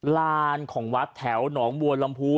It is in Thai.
ลานของวัดแถวหนองบัวลำพู